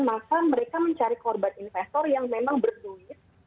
maka mereka mencari korban investor yang memang berduit